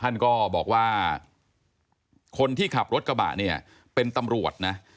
ท่านก็บอกว่าคนที่ขับรถกระบะเนี่ยเป็นตำรวจนะ